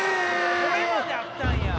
これまであったんや。